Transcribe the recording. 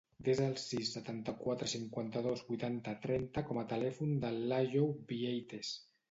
Desa el sis, setanta-quatre, cinquanta-dos, vuitanta, trenta com a telèfon de l'Àyoub Vieites.